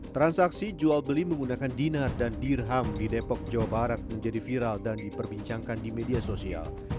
transaksi jual beli menggunakan dinar dan dirham di depok jawa barat menjadi viral dan diperbincangkan di media sosial